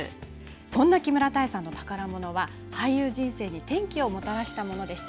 そんな木村多江さんの宝ものは、俳優人生に転機をもたらしたものでした。